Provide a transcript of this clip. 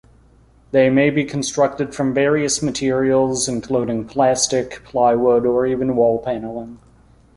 They may be constructed from various materials, including plastic, plywood, or even wall paneling.